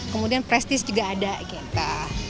kemudian prestis juga ada gitu